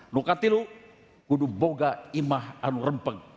nukah tilo kudu boga imah anurempeng